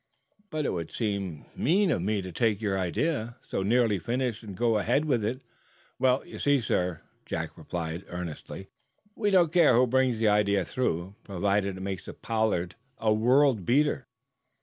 "But it would seem mean of me to take your idea, so nearly finished, and go ahead with it," protested the inventor. "Well, you see, sir," Jack replied, earnestly, "we don't care who brings the idea through provided it makes the 'Pollard' a world beater.